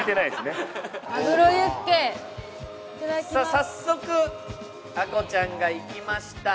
早速あこちゃんがいきました。